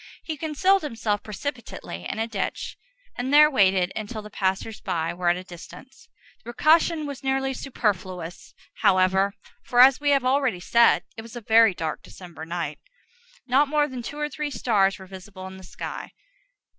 He concealed himself precipitately in a ditch, and there waited until the passers by were at a distance. The precaution was nearly superfluous, however; for, as we have already said, it was a very dark December night. Not more than two or three stars were visible in the sky.